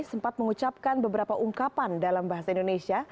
sempat mengucapkan beberapa ungkapan dalam bahasa indonesia